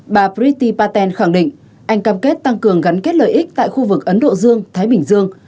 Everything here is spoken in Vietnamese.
bà brity paten khẳng định anh cam kết tăng cường gắn kết lợi ích tại khu vực ấn độ dương thái bình dương